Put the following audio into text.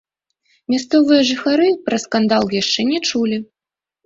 Мясцовыя жыхары пра скандал яшчэ не чулі.